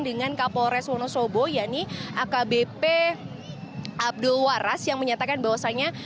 dengan kapolres wonosobo yakni akbp abdul waras yang menyatakan bahwasannya